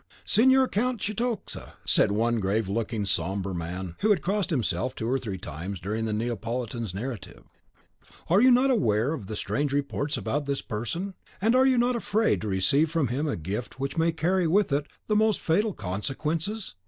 "Signor Count Cetoxa," said one grave looking sombre man, who had crossed himself two or three times during the Neapolitan's narrative, "are you not aware of the strange reports about this person; and are you not afraid to receive from him a gift which may carry with it the most fatal consequences?